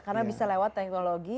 karena bisa lewat teknologi